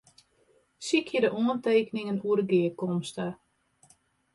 Sykje de oantekeningen oer de gearkomste.